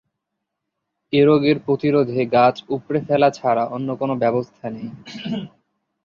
এ রোগের প্রতিরোধে গাছ উপড়ে ফেলা ছাড়া অন্য কোনো ব্যবস্থা নেই।